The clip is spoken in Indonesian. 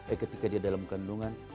ee ketika dia dalam kendungan